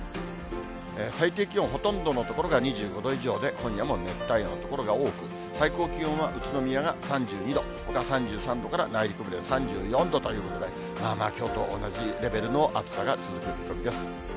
最低気温、ほとんどの所が２５度以上で、今夜も熱帯夜の所が多く、最高気温は宇都宮が３２度、ほか３３度から、内陸部で３４度ということで、まあまあ、きょうと同じレベルの暑さが続く見込みです。